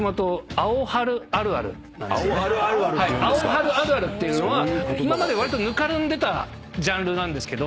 アオハルあるあるっていうのは今までわりとぬかるんでたジャンルなんですけど。